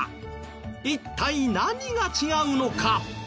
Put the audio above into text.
一体何が違うのか？